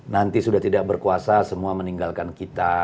nanti sudah tidak berkuasa semua meninggalkan kita